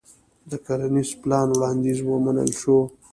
د کرنيز پلان وړانديز ومنل شو.